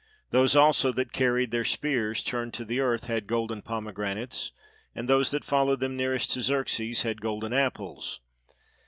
Those also that carried their spears turned to the earth had golden pomegranates, and those that followed nearest to Xerxes had golden apples.